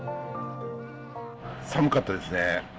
寒かったですね。